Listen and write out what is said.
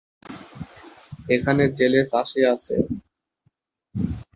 এখানে জেলে, চাষী আছে।